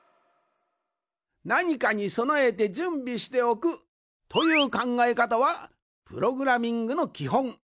なにかにそなえてじゅんびしておくというかんがえかたはプログラミングのきほん。